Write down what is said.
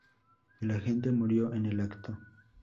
El agente murió en el acto.